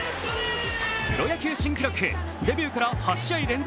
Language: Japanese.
プロ野球新記録、デビューから８試合連続